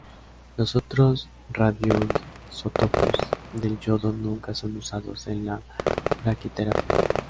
Los otros radioisótopos del yodo nunca son usados en la braquiterapia.